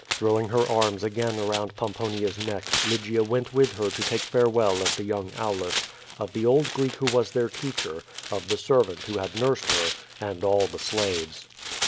'' Throwing her arms again around Pomponia's neck, Lygia went with her to take farewell of the young Auhis, of the old Greek who was their teacher, of the servant who had nursed her, and all the slaves.